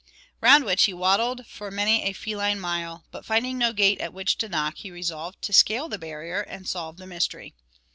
round which he waddled for many a feline mile; but finding no gate at which to knock, he resolved to scale the barrier and solve the mystery.